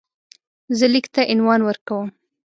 زه لیک ته عنوان ورکوم.